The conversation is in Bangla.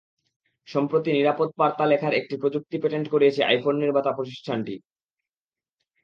সম্প্রতি নিরাপদ বার্তা লেখার একটি প্রযুক্তির পেটেন্ট করিয়েছে আইফোন নির্মাতা প্রতিষ্ঠানটি।